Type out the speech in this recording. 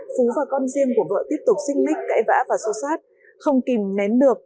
phú và con riêng của vợ tiếp tục xích mích cãi vã và xô xát không kìm nén được